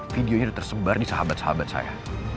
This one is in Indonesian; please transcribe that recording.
videonya tersebar di sahabat sahabat saya